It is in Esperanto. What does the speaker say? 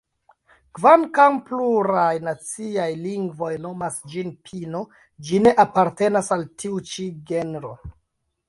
Kvankam pluraj naciaj lingvoj nomas ĝin "pino", ĝi ne apartenas al tiu ĉi genro.